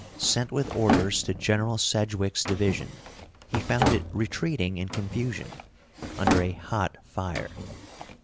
Sent with orders to General Sedgwick's division, he found it retreating in confusion, under a hot fire.